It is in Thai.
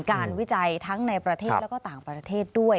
วิจัยทั้งในประเทศแล้วก็ต่างประเทศด้วย